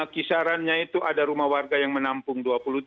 kisarannya itu ada rumah warga yang menampung